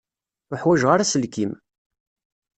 Ur ḥwajeɣ ara aselkim.